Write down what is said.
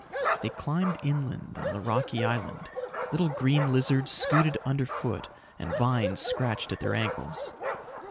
They climbed inland on the rocky island. Little green lizards scooted underfoot and vines scratched at their ankles.